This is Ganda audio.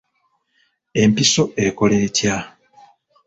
Empiso ekola etya?